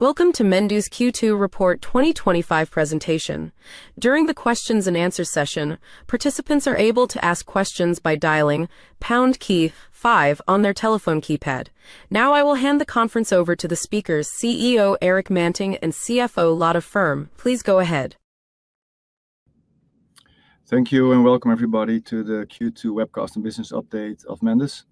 Welcome to Mendus Q2 Report 2025 presentation. During the questions and answers session, participants are able to ask questions by dialing *55 on their telephone keypad. Now I will hand the conference over to the speakers, CEO Erik Manting and CFO Lotta Ferm. Please go ahead. Thank you and welcome everybody to the Q2 webcast and business updates of Mendus.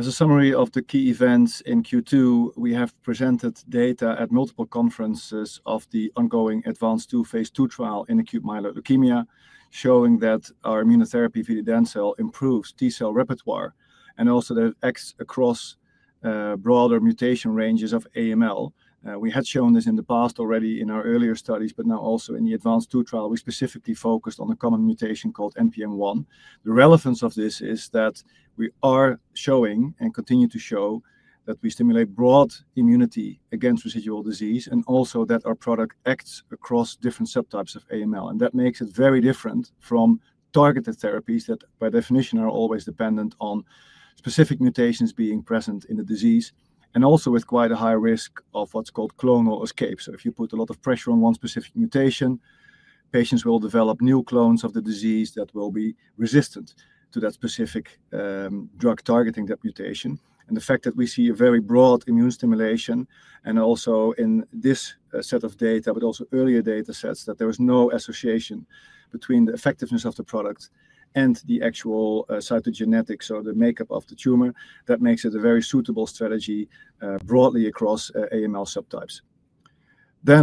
As a summary of the key events in Q2, we have presented data at multiple conferences of the ongoing ADVANCE II Phase II trial in acute myeloid leukemia, showing that our immunotherapy vididencel improves T-cell repertoire and also that it acts across broader mutation ranges of AML. We had shown this in the past already in our earlier studies, but now also in the ADVANCE II trial, we specifically focused on the common mutation called NPM1. The relevance of this is that we are showing and continue to show that we stimulate broad immunity against residual disease and also that our product acts across different subtypes of AML. That makes it very different from targeted therapies that by definition are always dependent on specific mutations being present in the disease and also with quite a high risk of what's called clonal escape. If you put a lot of pressure on one specific mutation, patients will develop new clones of the disease that will be resistant to that specific drug targeting that mutation. The fact that we see a very broad immune stimulation and also in this set of data, but also earlier data sets, that there is no association between the effectiveness of the product and the actual cytogenetics, so the makeup of the tumor, that makes it a very suitable strategy broadly across AML subtypes.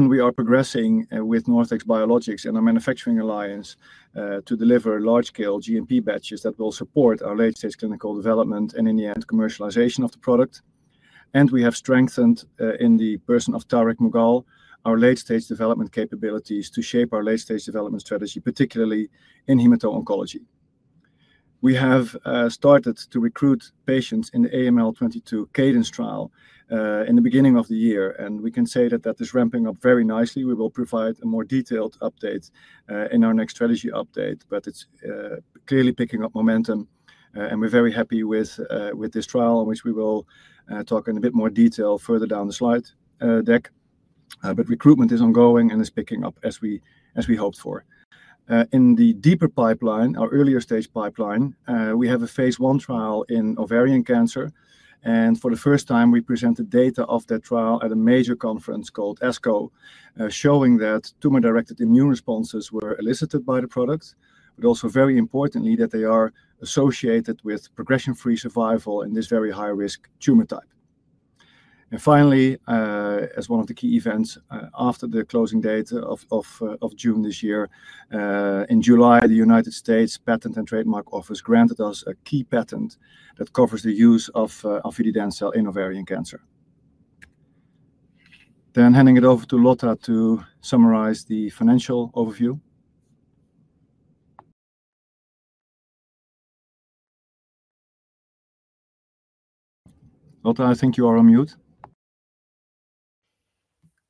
We are progressing with NorthX Biologics and our manufacturing alliance to deliver large-scale GMP batches that will support our late-stage clinical development and in the end, commercialization of the product. We have strengthened in the person of Tariq Mughal, our late-stage development capabilities to shape our late-stage development strategy, particularly in hematology-oncology. We have started to recruit patients in the AML 22 cadence trial in the beginning of the year, and we can say that that is ramping up very nicely. We will provide a more detailed update in our next strategy update, but it's clearly picking up momentum and we're very happy with this trial in which we will talk in a bit more detail further down the slide deck. Recruitment is ongoing and is picking up as we hoped for. In the deeper pipeline, our earlier stage pipeline, we have a Phase I trial in ovarian cancer. For the first time, we presented data of that trial at a major conference called ASCO, showing that tumor-directed immune responses were elicited by the product, but also very importantly that they are associated with progression-free survival in this very high-risk tumor type. Finally, as one of the key events after the closing date of June this year, in July, the United States Patent and Trademark Office granted us a key patent that covers the use of vididencel in ovarian cancer. Handing it over to Lotta to summarize the financial overview. Lotta, I think you are on mute.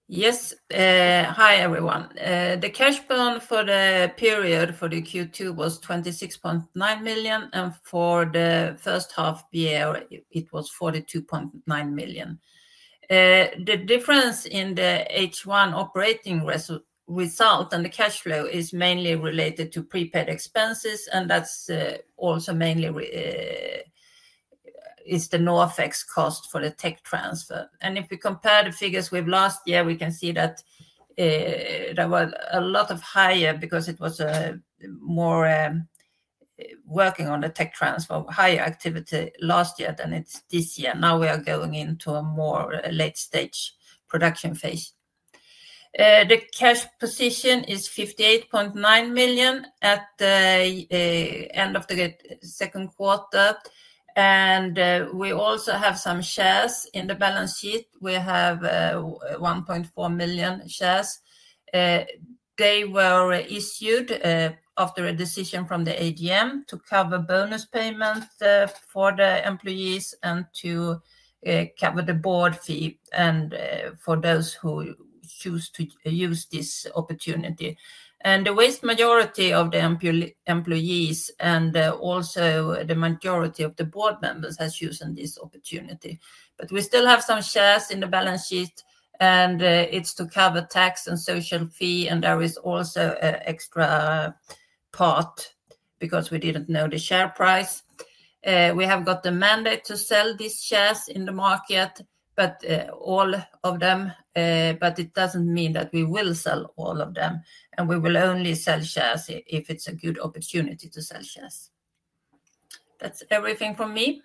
Yes. Hi everyone. The cash burn for the period for the Q2 was 26.9 million and for the first half year, it was 42.9 million. The difference in the H1 operating result and the cash flow is mainly related to prepaid expenses, and that's also mainly the NorthX cost for the tech transfer. If we compare the figures with last year, we can see that they were a lot higher because there was more working on the tech transfer, higher activity last year than it is this year. Now we are going into a more late-stage production phase. The cash position is 58.9 million at the end of the second quarter. We also have some shares in the balance sheet. We have 1.4 million shares. They were issued after a decision from the AGM to cover bonus payment for the employees and to cover the board fee for those who choose to use this opportunity. The vast majority of the employees and also the majority of the board members have chosen this opportunity. We still have some shares in the balance sheet, and it's to cover tax and social fee, and there is also an extra part because we didn't know the share price. We have got the mandate to sell these shares in the market, all of them, but it doesn't mean that we will sell all of them. We will only sell shares if it's a good opportunity to sell shares. That's everything from me.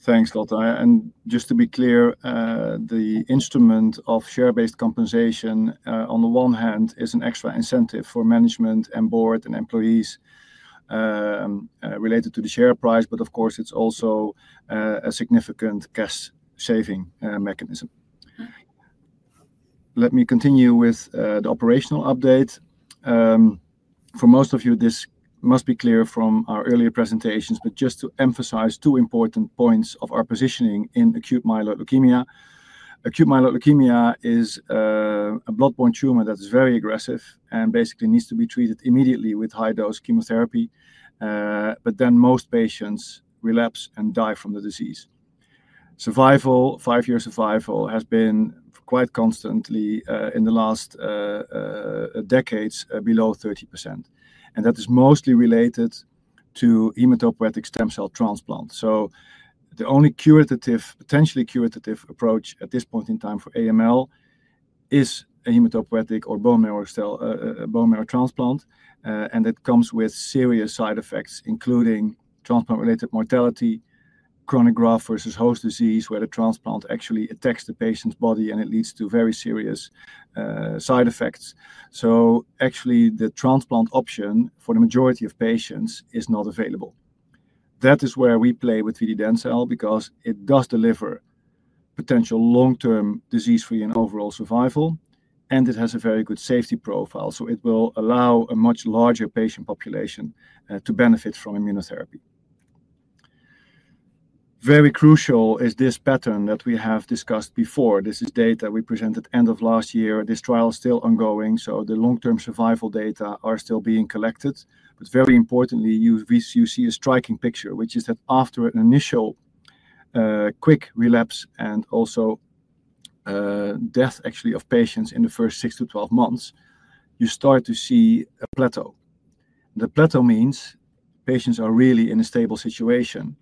Thanks, Lotta. Just to be clear, the instrument of share-based compensation on the one hand is an extra incentive for management and board and employees related to the share price, but of course, it's also a significant cash saving mechanism. Let me continue with the operational update. For most of you, this must be clear from our earlier presentations, but just to emphasize two important points of our positioning in acute myeloid leukemia. Acute myeloid leukemia is a bloodborne tumor that is very aggressive and basically needs to be treated immediately with high-dose chemotherapy. Most patients relapse and die from the disease. Survival, five-year survival has been quite constantly in the last decades below 30%. That is mostly related to hematopoietic stem cell transplant. The only potentially curative approach at this point in time for AML is a hematopoietic or bone marrow transplant. That comes with serious side effects, including transplant-related mortality, chronic graft versus host disease where the transplant actually attacks the patient's body, and it leads to very serious side effects. The transplant option for the majority of patients is not available. That is where we play with vididencel because it does deliver potential long-term disease-free and overall survival. It has a very good safety profile. It will allow a much larger patient population to benefit from immunotherapy. Very crucial is this pattern that we have discussed before. This is data we presented end of last year. This trial is still ongoing. The long-term survival data are still being collected. Very importantly, you see a striking picture, which is that after an initial quick relapse and also death actually of patients in the first 6-12 months, you start to see a plateau. The plateau means patients are really in a stable situation.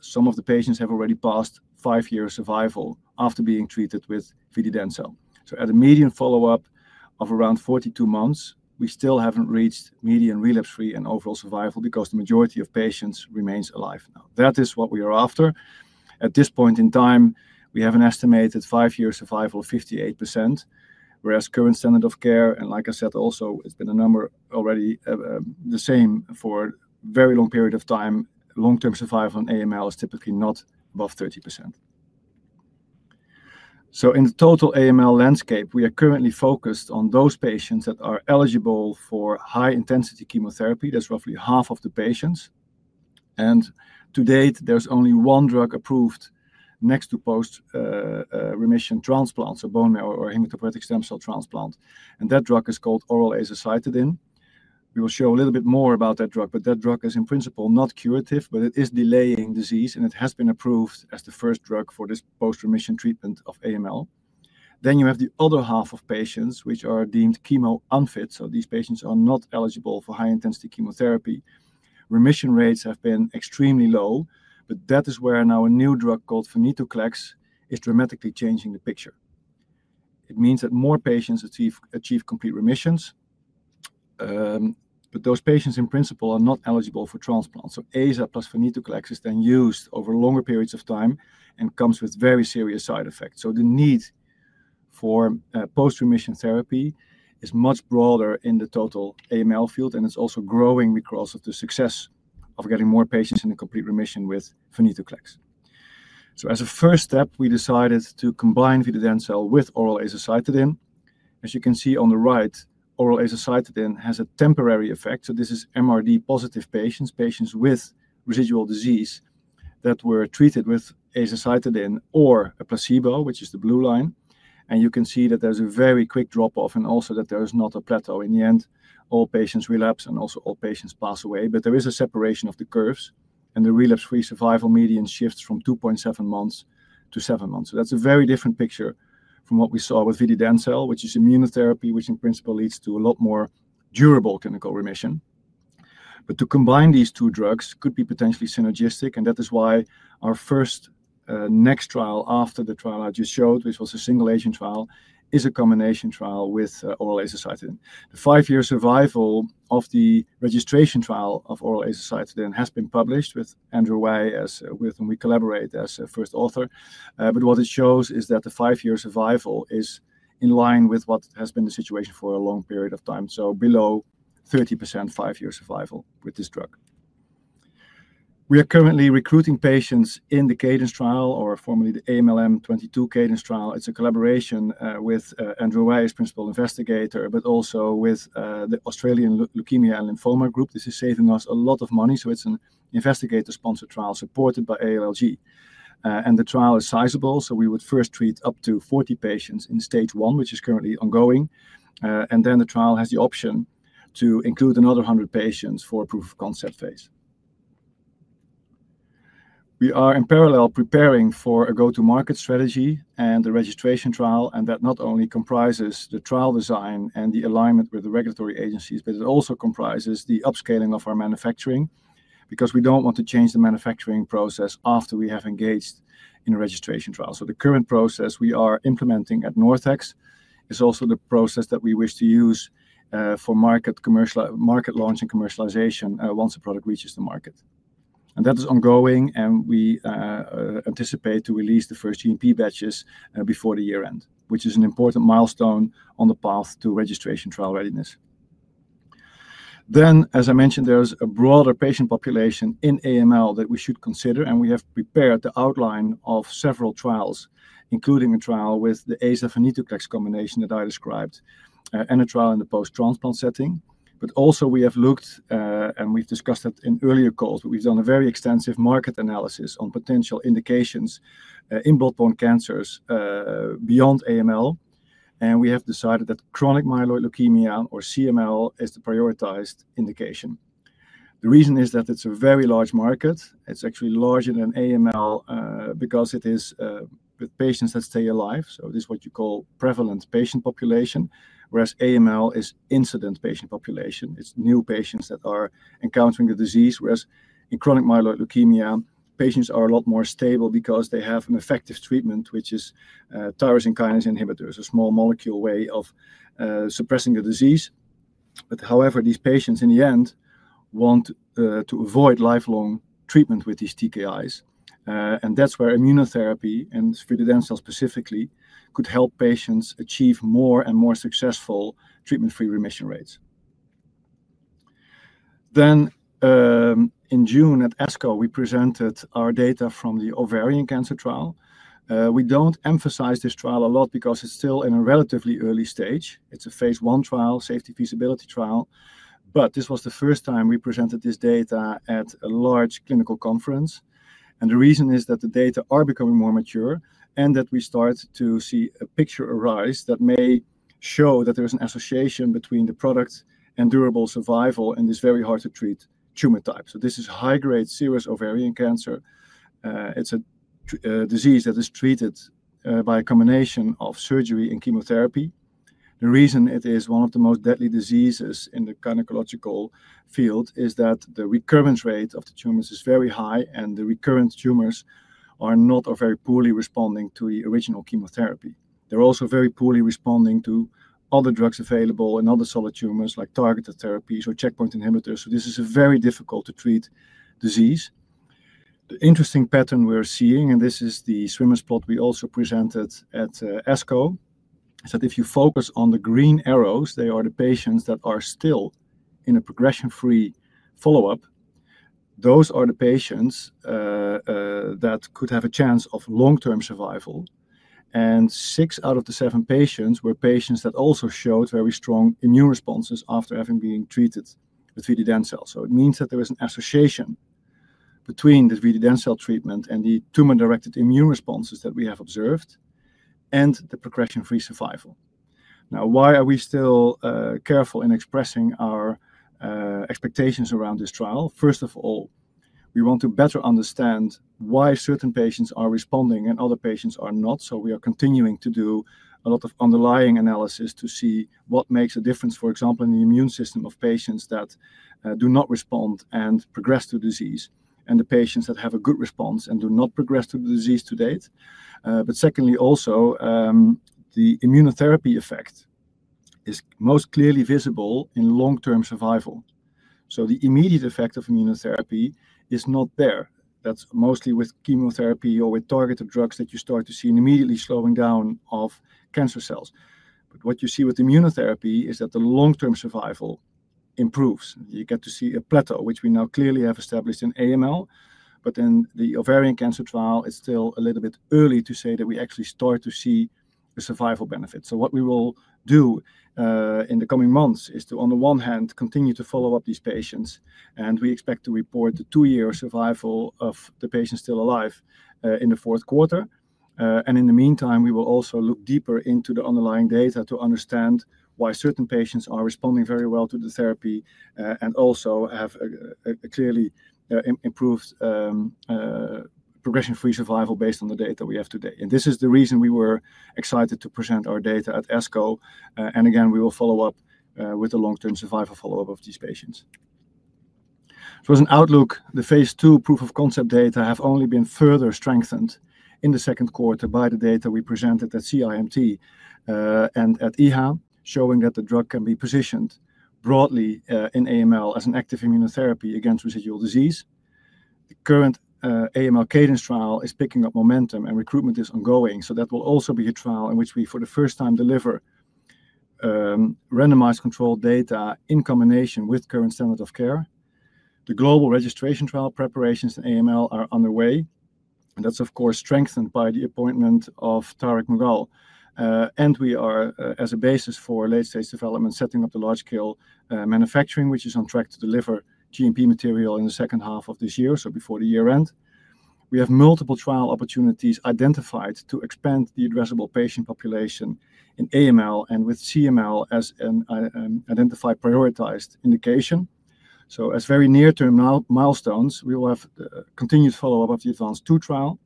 Some of the patients have already passed five-year survival after being treated with vididencel. At a median follow-up of around 42 months, we still haven't reached median relapse-free and overall survival because the majority of patients remain alive now. That is what we are after. At this point in time, we have an estimated five-year survival of 58%, whereas current standard of care, and like I said, also it's been a number already the same for a very long period of time, long-term survival in AML is typically not above 30%. In the total acute myeloid leukemia (AML) landscape, we are currently focused on those patients that are eligible for high-intensity chemotherapy. That's roughly half of the patients. To date, there's only one drug approved next to post-remission transplant, so bone marrow or hematopoietic stem cell transplant. That drug is called oral azacitidine. We will show a little bit more about that drug, but that drug is in principle not curative, but it is delaying disease and it has been approved as the first drug for this post-remission treatment of AML. You have the other half of patients which are deemed chemo-unfit. These patients are not eligible for high-intensity chemotherapy. Remission rates have been extremely low, but that is where now a new drug called venetoclax is dramatically changing the picture. It means that more patients achieve complete remissions, but those patients in principle are not eligible for transplant. AZA plus venetoclax is then used over longer periods of time and comes with very serious side effects. The need for post-remission therapy is much broader in the total AML field and it's also growing because of the success of getting more patients in a complete remission with venetoclax. As a first step, we decided to combine vididencel with oral azacitidine. As you can see on the right, oral azacitidine has a temporary effect. This is MRD positive patients, patients with residual disease that were treated with azacitidine or a placebo, which is the blue line. You can see that there's a very quick drop-off and also that there is not a plateau. In the end, all patients relapse and also all patients pass away, but there is a separation of the curves and the relapse-free survival median shifts from 2.7-7 months. That's a very different picture from what we saw with vididencel, which is immunotherapy, which in principle leads to a lot more durable clinical remission. To combine these two drugs could be potentially synergistic and that is why our first next trial after the trial I just showed, which was a single agent trial, is a combination trial with oral azacitidine. The five-year survival of the registration trial of oral azacitidine has been published with Andrew Wei and we collaborate as a first author. What it shows is that the five-year survival is in line with what has been the situation for a long period of time. Below 30% five-year survival with this drug. We are currently recruiting patients in the cadence trial, or formerly the AMLM 22 cadence trial. It's a collaboration with Andrew Wei, Principal Investigator, but also with the Australasian Leukemia Lymphoma Group. This is saving us a lot of money. It's an investigator-sponsored trial supported by ALLG, and the trial is sizable. We would first treat up to 40 patients in stage one, which is currently ongoing. The trial has the option to include another 100 patients for a proof of concept phase. We are in parallel preparing for a go-to-market strategy and the registration trial, and that not only comprises the trial design and the alignment with the regulatory agencies, but it also comprises the upscaling of our manufacturing because we don't want to change the manufacturing process after we have engaged in a registration trial. The current process we are implementing at NorthX Biologics is also the process that we wish to use for market launch and commercialization once the product reaches the market. That is ongoing, and we anticipate to release the first GMP batches before the year end, which is an important milestone on the path to registration trial readiness. As I mentioned, there's a broader patient population in acute myeloid leukemia (AML) that we should consider, and we have prepared the outline of several trials, including a trial with the azacitidine venetoclax combination that I described and a trial in the post-transplant setting. We have looked, and we've discussed it in earlier calls, but we've done a very extensive market analysis on potential indications in bloodborne cancers beyond AML. We have decided that chronic myeloid leukemia (CML) is the prioritized indication. The reason is that it's a very large market. It's actually larger than AML because it is with patients that stay alive. This is what you call prevalent patient population, whereas AML is incident patient population. It's new patients that are encountering the disease, whereas in chronic myeloid leukemia, patients are a lot more stable because they have an effective treatment, which is tyrosine kinase inhibitors, a small molecule way of suppressing the disease. However, these patients in the end want to avoid lifelong treatment with these TKIs, and that's where immunotherapy and vididencel specifically could help patients achieve more and more successful treatment-free remission rates. In June at ASCO, we presented our data from the ovarian cancer trial. We don't emphasize this trial a lot because it's still in a relatively early stage. It's a Phase I trial, safety feasibility trial. This was the first time we presented this data at a large clinical conference. The reason is that the data are becoming more mature and that we start to see a picture arise that may show that there's an association between the product and durable survival in this very hard-to-treat tumor type. This is high-grade serous ovarian cancer. It's a disease that is treated by a combination of surgery and chemotherapy. The reason it is one of the most deadly diseases in the gynecological field is that the recurrence rate of the tumors is very high and the recurrent tumors are also very poorly responding to the original chemotherapy. They're also very poorly responding to other drugs available and other solid tumors like targeted therapies or checkpoint inhibitors. This is a very difficult-to-treat disease. The interesting pattern we're seeing, and this is the swimmer's plot we also presented at ASCO, is that if you focus on the green arrows, they are the patients that are still in a progression-free follow-up. Those are the patients that could have a chance of long-term survival. Six out of the seven patients were patients that also showed very strong immune responses after having been treated with vididencel. It means that there is an association between the vididencel treatment and the tumor-directed immune responses that we have observed and the progression-free survival. Now, why are we still careful in expressing our expectations around this trial? First of all, we want to better understand why certain patients are responding and other patients are not. We are continuing to do a lot of underlying analysis to see what makes a difference, for example, in the immune system of patients that do not respond and progress to the disease and the patients that have a good response and do not progress to the disease to date. Secondly, also, the immunotherapy effect is most clearly visible in long-term survival. The immediate effect of immunotherapy is not there. That's mostly with chemotherapy or with targeted drugs that you start to see an immediate slowing down of cancer cells. What you see with immunotherapy is that the long-term survival improves. You get to see a plateau, which we now clearly have established in AML. The ovarian cancer trial is still a little bit early to say that we actually start to see the survival benefits. What we will do in the coming months is to, on the one hand, continue to follow up these patients. We expect to report the two-year survival of the patients still alive in the fourth quarter. In the meantime, we will also look deeper into the underlying data to understand why certain patients are responding very well to the therapy and also have a clearly improved progression-free survival based on the data we have today. This is the reason we were excited to present our data at ASCO. We will follow up with the long-term survival follow-up of these patients. As an outlook, the Phase II proof of concept data have only been further strengthened in the second quarter by the data we presented at CIMT and at EHA, showing that the drug can be positioned broadly in acute myeloid leukemia (AML) as an active immunotherapy against residual disease. The current AML cadence trial is picking up momentum and recruitment is ongoing. That will also be a trial in which we, for the first time, deliver randomized control data in combination with current standard of care. The global registration trial preparations in AML are underway. That is, of course, strengthened by the appointment of Tariq Mughal. We are, as a basis for late-stage development, setting up the large-scale manufacturing, which is on track to deliver GMP material in the second half of this year, before the year end. We have multiple trial opportunities identified to expand the addressable patient population in AML and with chronic myeloid leukemia (CML) as an identified prioritized indication. As very near-term milestones, we will have continued follow-up of the Advanced II trial,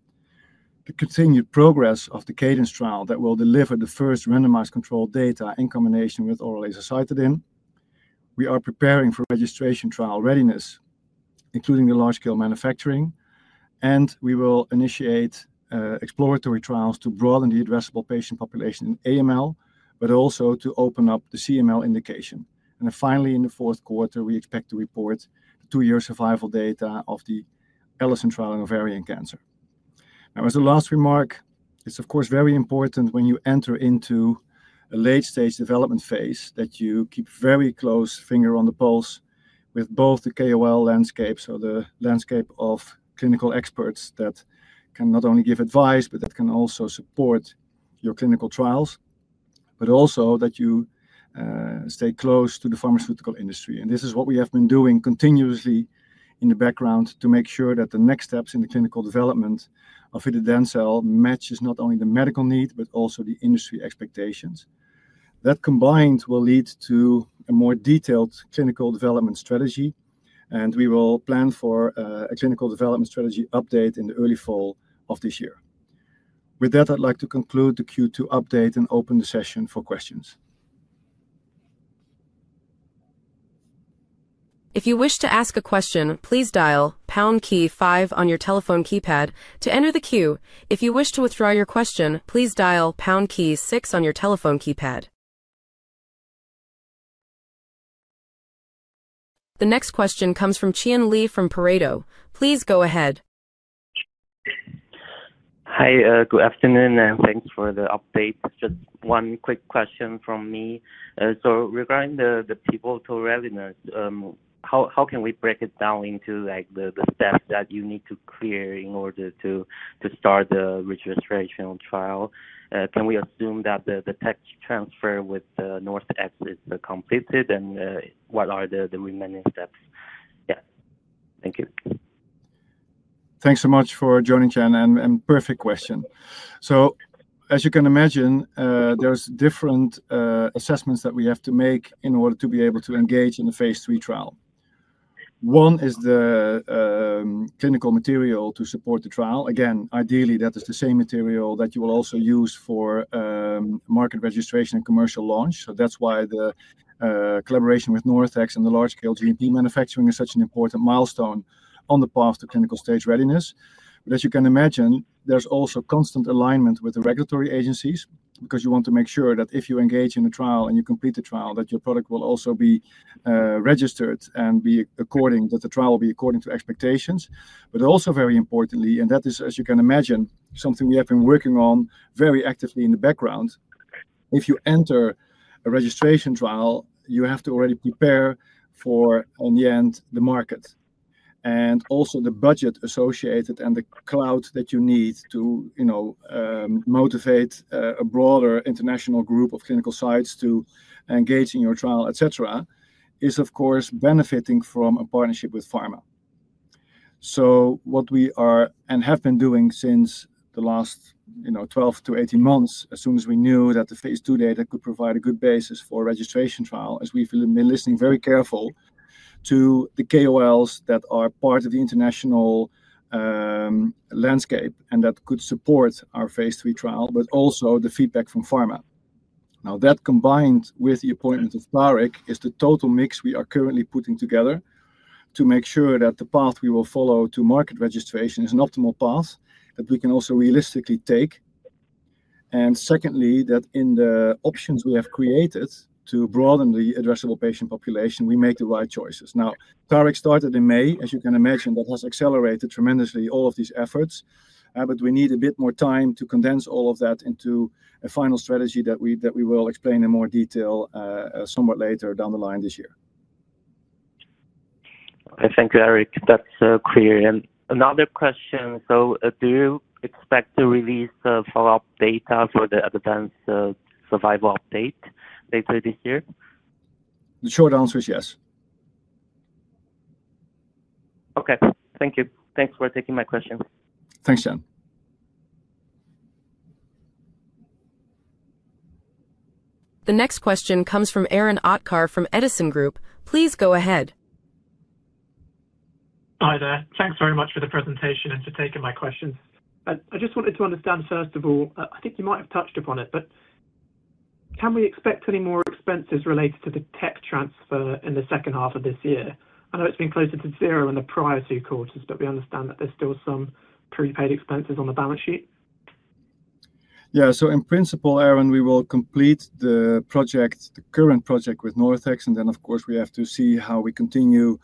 continued progress of the cadence trial that will deliver the first randomized control data in combination with oral azacitidine. We are preparing for registration trial readiness, including the large-scale manufacturing. We will initiate exploratory trials to broaden the addressable patient population in AML, but also to open up the CML indication. Finally, in the fourth quarter, we expect to report two-year survival data of the Allison trial in ovarian cancer. As a last remark, it's, of course, very important when you enter into a late-stage development phase that you keep a very close finger on the pulse with both the KOL landscape, so the landscape of clinical experts that can not only give advice, but that can also support your clinical trials, but also that you stay close to the pharmaceutical industry. This is what we have been doing continuously in the background to make sure that the next steps in the clinical development of vididencel match not only the medical need, but also the industry expectations. That combined will lead to a more detailed clinical development strategy. We will plan for a clinical development strategy update in the early fall of this year. With that, I'd like to conclude the Q2 update and open the session for questions. If you wish to ask a question, please dial #KEY5 on your telephone keypad to enter the queue. If you wish to withdraw your question, please dial #KEY6 on your telephone keypad. The next question comes from Qian Li from Pareto. Please go ahead. Hi, good afternoon, and thanks for the update. Just one quick question from me. Regarding the people to readiness, how can we break it down into the steps that you need to clear in order to start the registration trial? Can we assume that the tech transfer with NorthX Biologics is completed, and what are the remaining steps? Yeah, thank you. Thanks so much for joining, Qian. Perfect question. As you can imagine, there are different assessments that we have to make in order to be able to engage in the Phase III trial. One is the clinical material to support the trial. Ideally, that is the same material that you will also use for market registration and commercial launch. That is why the collaboration with NorthX Biologics and the large-scale GMP manufacturing is such an important milestone on the path to clinical stage readiness. As you can imagine, there is also constant alignment with the regulatory agencies because you want to make sure that if you engage in a trial and you complete the trial, your product will also be registered and the trial will be according to expectations. Also, very importantly, and as you can imagine, this is something we have been working on very actively in the background. If you enter a registration trial, you have to already prepare for, in the end, the market and also the budget associated and the clout that you need to motivate a broader international group of clinical sites to engage in your trial. This, of course, is benefiting from a partnership with pharma. What we are and have been doing since the last 12-18 months, as soon as we knew that the Phase II data could provide a good basis for a registration trial, is listening very carefully to the KOLs that are part of the international landscape and that could support our Phase III trial, but also the feedback from pharma. That, combined with the appointment of Tariq, is the total mix we are currently putting together to make sure that the path we will follow to market registration is an optimal path that we can also realistically take. Secondly, in the options we have created to broaden the addressable patient population, we make the right choices. Tariq started in May. As you can imagine, that has accelerated tremendously all of these efforts. We need a bit more time to condense all of that into a final strategy that we will explain in more detail somewhat later down the line this year. Thank you, Erik. That's clear. Do you expect to release the follow-up data for the vididencel survival update later this year? The short answer is yes. Okay. Thank you. Thanks for taking my question. Thanks, Qian. The next question comes from Aaron Atkar from Edison Group. Please go ahead. Hi there. Thanks very much for the presentation and for taking my question. I just wanted to understand, first of all, I think you might have touched upon it, but can we expect any more expenses related to the tech transfer in the second half of this year? I know it's been closer to zero in the prior two quarters, but we understand that there's still some prepaid expenses on the balance sheet. Yeah. In principle, Aaron, we will complete the project, the current project with NorthX Biologics, and then, of course, we have to see how we continue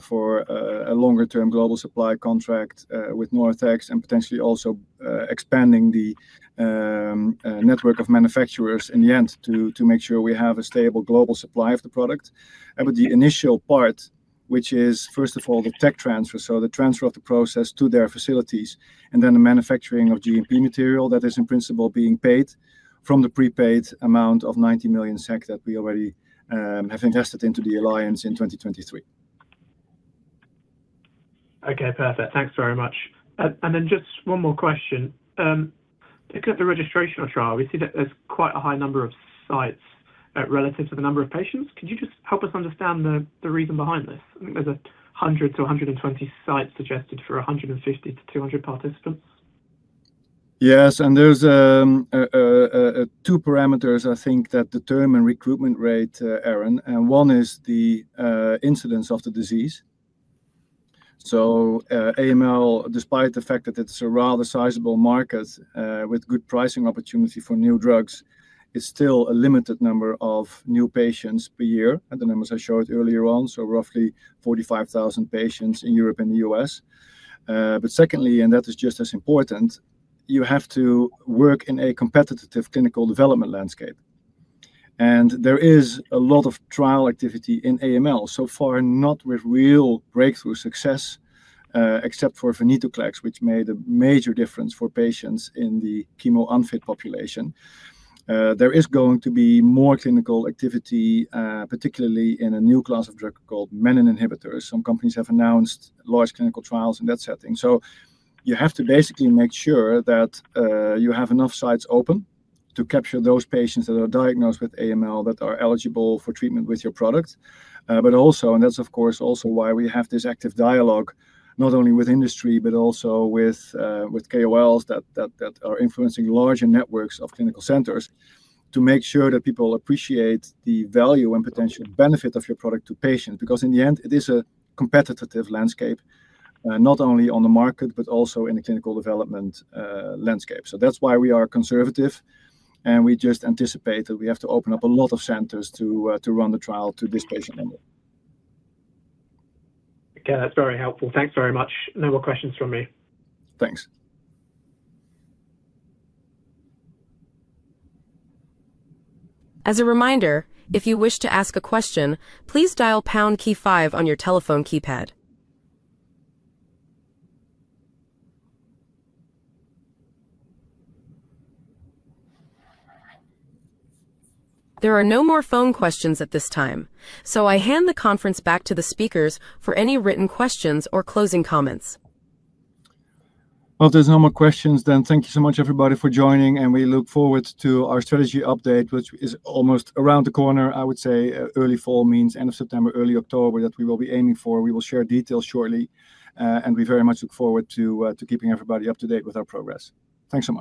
for a longer-term global supply contract with NorthX Biologics and potentially also expanding the network of manufacturers in the end to make sure we have a stable global supply of the product. The initial part, which is, first of all, the tech transfer, so the transfer of the process to their facilities, and then the manufacturing of GMP material, that is in principle being paid from the prepaid amount of 90 million SEK that we already have invested into the alliance in 2023. Okay. Perfect. Thanks very much. Just one more question. Looking at the registration trial, we see that there's quite a high number of sites relative to the number of patients. Could you just help us understand the reason behind this? I think there's 100-120 sites suggested for 150-200 participants. Yes. There are two parameters, I think, that determine recruitment rate, Aaron. One is the incidence of the disease. AML, despite the fact that it's a rather sizable market with good pricing opportunity for new drugs, is still a limited number of new patients per year. The numbers I showed earlier on, so roughly 45,000 patients in Europe and the U.S. Secondly, and that is just as important, you have to work in a competitive clinical development landscape. There is a lot of trial activity in AML, so far not with real breakthrough success, except for venetoclax, which made a major difference for patients in the chemo-unfit population. There is going to be more clinical activity, particularly in a new class of drug called menin inhibitors. Some companies have announced large clinical trials in that setting. You have to basically make sure that you have enough sites open to capture those patients that are diagnosed with AML that are eligible for treatment with your product. That is also why we have this active dialogue not only with industry, but also with KOLs that are influencing larger networks of clinical centers to make sure that people appreciate the value and potential benefit of your product to patients. In the end, it is a competitive landscape, not only on the market, but also in the clinical development landscape. That is why we are conservative. We just anticipate that we have to open up a lot of centers to run the trial to this patient in the end. Okay. That's very helpful. Thanks very much. No more questions from me. Thanks. As a reminder, if you wish to ask a question, please dial #KEY5 on your telephone keypad. There are no more phone questions at this time. I hand the conference back to the speakers for any written questions or closing comments. Thank you so much, everybody, for joining. We look forward to our strategy update, which is almost around the corner. I would say early fall means end of September, early October that we will be aiming for. We will share details shortly. We very much look forward to keeping everybody up to date with our progress. Thanks so much.